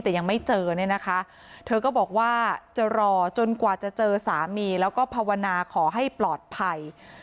แต่ยังไม่เจอเนี่ยนะคะเธอก็บอกว่าจะรอจนกว่าจะเจอสามีแล้วก็ภาวนาขอให้ปลอดภัย